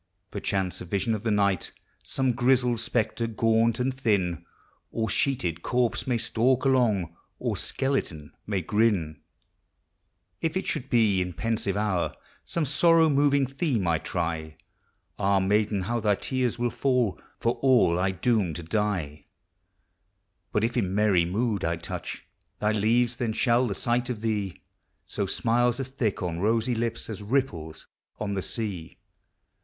Perchance a vision of the night, Some grizzled spectre, gaunt and thin, Or sheeted corpse, may stalk along, Or skeleton may grin. If it should be in pensive hour Some sorrow moving theme I try, Ah, maiden, how thy tears will fall, For all I doom to die! But if in merry mood I touch Thy leaves, then shall the sight of thee Sow smiles as thick on rosy lips As ripples on the sea.